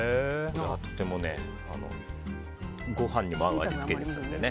とてもご飯に合う味付けですね。